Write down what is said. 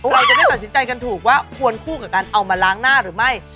เราจะได้ตัดสินใจกันถูกว่าควรคู่กับการเอามาล้างหน้าหรือไม่